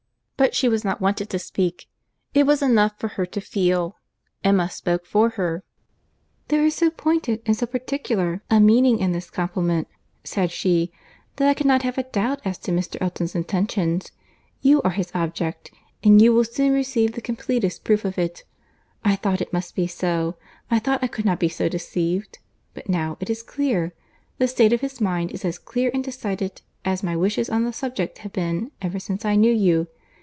But she was not wanted to speak. It was enough for her to feel. Emma spoke for her. "There is so pointed, and so particular a meaning in this compliment," said she, "that I cannot have a doubt as to Mr. Elton's intentions. You are his object—and you will soon receive the completest proof of it. I thought it must be so. I thought I could not be so deceived; but now, it is clear; the state of his mind is as clear and decided, as my wishes on the subject have been ever since I knew you.